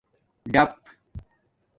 ڈَپ